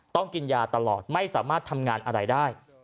ต้องกินยาตลอดไม่สามารถทำงานอะไรได้